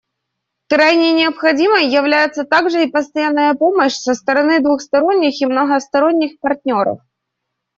Крайне необходимой является также и постоянная помощь со стороны двусторонних и многосторонних партнеров.